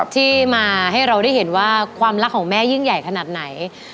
ที่มาให้เราได้เห็นว่าความรักของแม่ยิ่งใหญ่ขนาดไหน